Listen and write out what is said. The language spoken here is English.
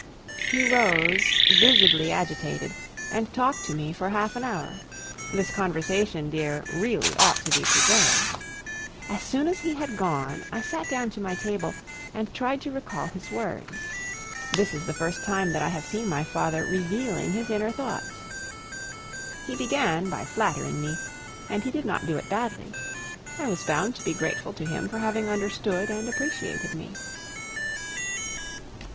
He rose, visibly agitated, and talked to me for half an hour. This conversation, dear, really ought to be preserved. As soon as he had gone, I sat down to my table and tried to recall his words. This is the first time that I have seen my father revealing his inner thoughts. He began by flattering me, and he did not do it badly. I was bound to be grateful to him for having understood and appreciated me.